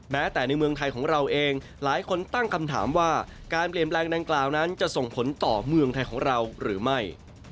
แม้แต่ในเมืองไทยของเราเองหลายคนตั้งคำถามว่าการเปลี่ยนแปลงดังกล่าวนั้นจะส่งผลต่อเมืองไทยของเราหรือไม่